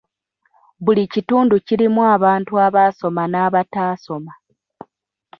Buli kitundu kirimu abantu abaasoma n'abataasoma.